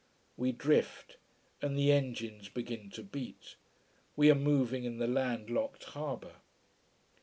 We drift and the engines begin to beat. We are moving in the land locked harbour.